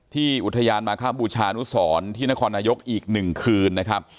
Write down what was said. ที่อุทยานมาคบูชานุสรที่นครนายกอีก๑คืนนะครับ